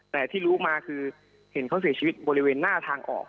แต่ที่รู้มาคือเห็นเขาเสียชีวิตบริเวณหน้าทางออก